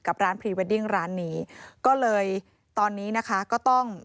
กับร้านพรีเวดดิ้งร้านนี้ก็เลยตอนนี้นะคะก็ต้อง